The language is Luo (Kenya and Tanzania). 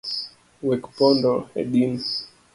Wek pondo e din.